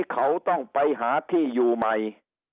เขาต้องไปหาที่อยู่ใหม่